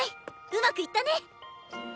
うまくいったね！